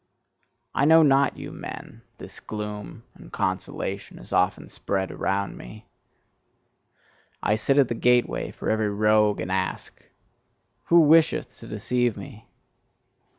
I know not you men: this gloom and consolation is often spread around me. I sit at the gateway for every rogue, and ask: Who wisheth to deceive me?